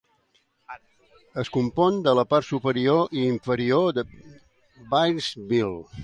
Es compon de la part superior i inferior Byrnesville.